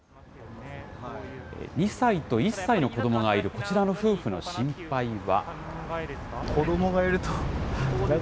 ２歳と１歳の子どもがいるこちらの夫婦の心配は。